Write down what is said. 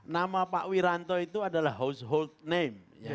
nama pak wiranto itu adalah household name